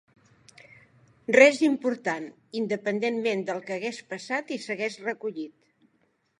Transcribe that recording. Res important, independentment del que hagués passat i s'hagués recollit.